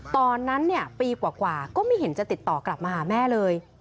ตอนนั้นปีกว่าก็ไม่เห็นจะติดต่อกลับมาหาแม่เลย